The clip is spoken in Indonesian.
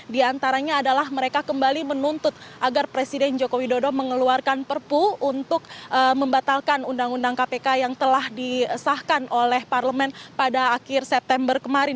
di antaranya adalah mereka kembali menuntut agar presiden joko widodo mengeluarkan perpu untuk membatalkan undang undang kpk yang telah disahkan oleh parlemen pada akhir september kemarin